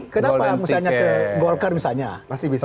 kenapa misalnya ke golkar misalnya